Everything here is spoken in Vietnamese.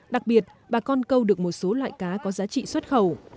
đặc biệt bà con câu được một số loại cá có giá trị xuất khẩu